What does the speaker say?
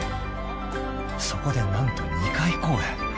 ［そこで何と２回公演］